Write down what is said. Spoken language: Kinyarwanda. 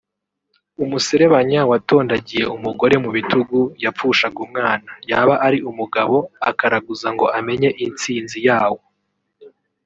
umuserebanya watondagiye umugore mu bitugu yapfushaga umwana; yaba ari umugabo akaraguza ngo amenye intsinzi yawo